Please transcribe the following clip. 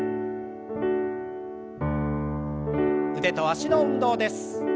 腕と脚の運動です。